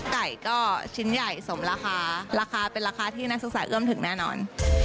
ไก่ก็ชิ้นใหญ่สมราคาราคาเป็นราคาที่นักศึกษาเอื้อมถึงแน่นอน